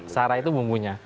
sara itu bumbunya